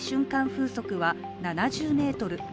風速は７０メートル。